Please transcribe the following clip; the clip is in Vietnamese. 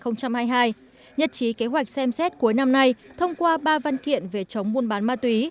nhất trí kế hoạch xem xét cuối năm nay thông qua ba văn kiện về chống buôn bán ma túy